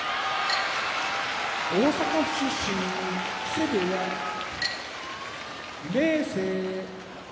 大阪府出身木瀬部屋明生